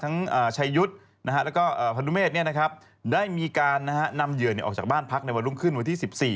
ชัยยุทธ์แล้วก็พนุเมฆได้มีการนำเหยื่อออกจากบ้านพักในวันรุ่งขึ้นวันที่๑๔